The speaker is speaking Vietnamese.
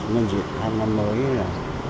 nhân dịp tháng năm mới là